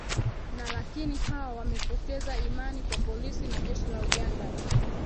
na lakini hao wamepoteza imani kwa polisi na jeshi la uganda